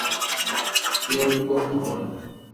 এও কি কখনো হয়।